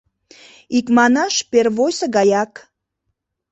Икманаш, первойсо гаяк...